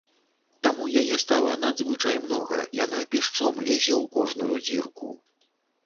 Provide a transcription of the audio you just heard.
Таму яе стала надзвычай многа, яна пішчом лезе ў кожную дзірку.